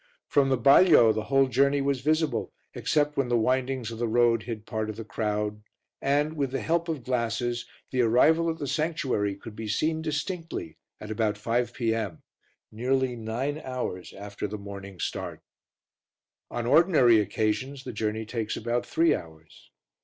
From the balio the whole journey was visible, except when the windings of the road hid part of the crowd, and, with the help of glasses, the arrival at the sanctuary could be seen distinctly at about 5 p.m., nearly nine hours after the morning start. On ordinary occasions the journey takes about three hours.